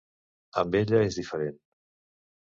Amb ella és diferent.